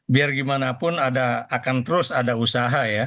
biar gimana pun akan terus ada usaha ya